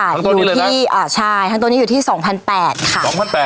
ทั้งตัวนี้เลยนะอ่าใช่ทั้งตัวนี้อยู่ที่สองพันแปดค่ะสองพันแปด